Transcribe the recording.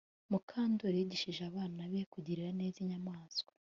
Mukandoli yigishije abana be kugirira neza inyamaswa